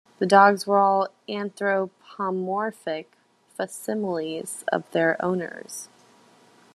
The dogs were all anthropomorphic facsimiles of their owners.